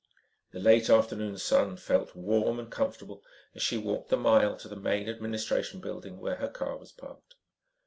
The late afternoon sun felt warm and comfortable as she walked the mile to the main administration building where her car was parked.